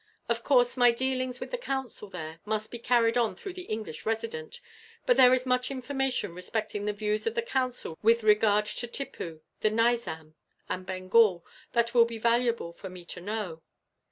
Of course, my dealings with the Council there must be carried on through the English Resident; but there is much information respecting the views of the Council with regard to Tippoo, the Nizam, and Bengal, that will be valuable for me to know."